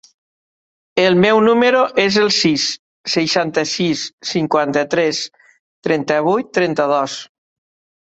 El meu número es el sis, seixanta-sis, cinquanta-tres, trenta-vuit, trenta-dos.